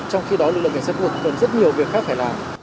trong khi đó lực lượng cảnh sát thuộc còn rất nhiều việc khác phải làm